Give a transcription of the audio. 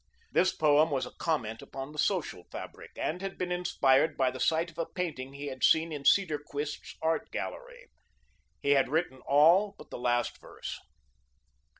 This poem was a comment upon the social fabric, and had been inspired by the sight of a painting he had seen in Cedarquist's art gallery. He had written all but the last verse.